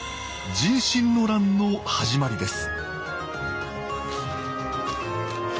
壬申の乱の始まりです